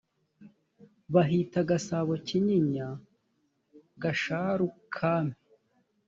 tabithagasabo kinyinya gasharu kami